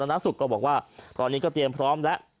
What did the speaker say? นาสุขก็บอกว่าตอนนี้ก็เตรียมพร้อมแล้ว